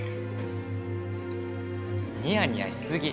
ニヤニヤし過ぎ。